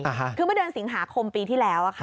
คือเมื่อเดือนสิงหาคมปีที่แล้ว